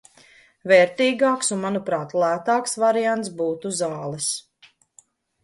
Vērtīgāks un manuprāt lētāks variants būtu zāles.